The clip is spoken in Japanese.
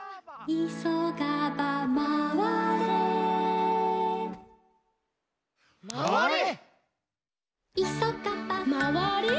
「いそがば」「まわれ？」